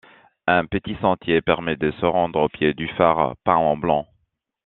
Un petit sentier permet de se rendre au pied du phare, peint en blanc.